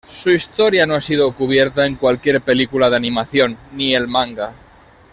Su historia no ha sido cubierta en cualquier película de animación, ni el manga.